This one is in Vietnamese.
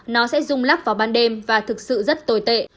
nó sẽ rung lắc vào ban đêm và thực sự rất tồi tệ